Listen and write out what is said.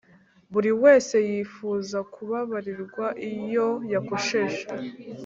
buri wese yifuza kubabarirwa iyo yakosheje.